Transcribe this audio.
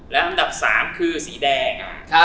และอันดับ๓คือสีแดง